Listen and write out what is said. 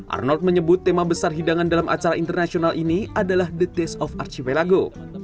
arnold menyebut tema besar hidangan dalam acara internasional ini adalah the dace of archivelago